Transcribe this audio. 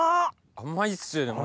甘いっすよね。